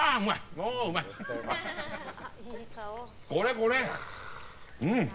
これこれ！